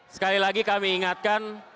sekali lagi kami ingatkan